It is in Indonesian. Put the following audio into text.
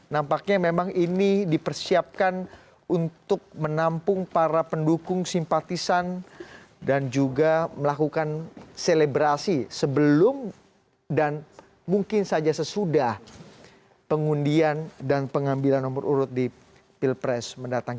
nampaknya memang ini dipersiapkan untuk menampung para pendukung simpatisan dan juga melakukan selebrasi sebelum dan mungkin saja sesudah pengundian dan pengambilan nomor urut di pilpres mendatang